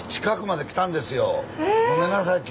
近くまで来たんですよ。